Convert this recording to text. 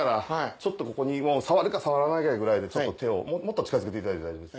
ちょっとここに触るか触らないかぐらいでちょっと手をもっと近づけていただいて。